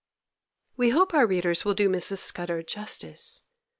We hope our readers will do Mrs. Scudder justice.